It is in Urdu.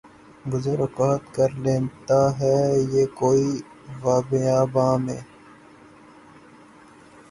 گزر اوقات کر لیتا ہے یہ کوہ و بیاباں میں